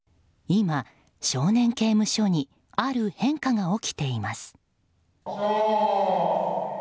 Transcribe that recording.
今、少年刑務所にある変化が起きています。